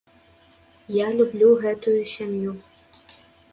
Я люблю гэтую сям'ю.